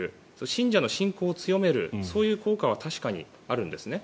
信者の信仰を強めるそういう効果は確かにあるんですね。